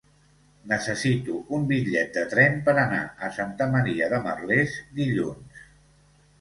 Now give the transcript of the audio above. Necessito un bitllet de tren per anar a Santa Maria de Merlès dilluns.